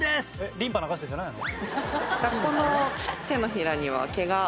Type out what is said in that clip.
リンパ流してるんじゃないの？